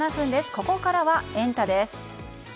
ここからはエンタ！です。